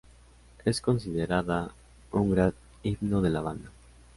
Es considerada un gran himno de la banda.